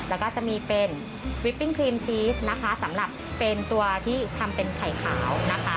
แล้วก็จะมีเป็นวิปปิ้งครีมชีสนะคะสำหรับเป็นตัวที่ทำเป็นไข่ขาวนะคะ